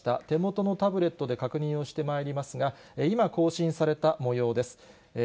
手元のタブレットで確認をしてまいりますが、今、更新されたもようです。